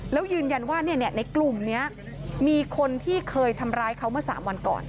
แล้วยืนยันว่าในกลุ่มนี้มีคนที่เคยทำร้ายเขาเมื่อ๓วันก่อน